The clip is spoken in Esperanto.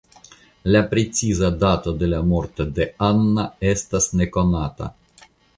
La preciza dato de la morto de Anna estas nekonata.